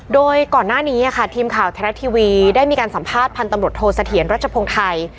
โดยก่อนหน้านี้ทีมข่าวไทยรัฐทีวีได้มีการสัมภาษณ์พันธ์ตำรวจโทษเสถียรรัชพงศ์ไทย